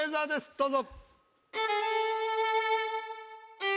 どうぞ。